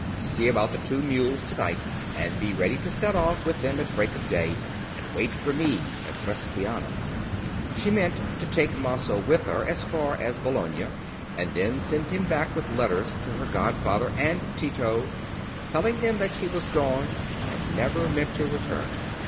See about the two mules to night, and be ready to set off with them at break of day, and wait for me at Trespiano." She meant to take Maso with her as far as Bologna, and then send him back with letters to her godfather and Tito, telling them that she was gone and never meant to return.